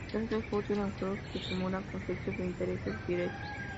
Esto es útil en juegos que simulan conflictos de intereses directos.